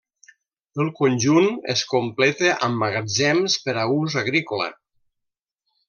El conjunt es completa amb magatzems per a ús agrícola.